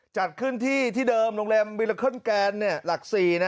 จัดขึ้นที่เดิมโรงแรมวิลาเคิลแกนหลัก๔